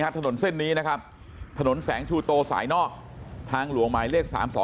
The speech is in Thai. ถนนเส้นนี้นะครับถนนแสงชูโตสายนอกทางหลวงหมายเลข๓๒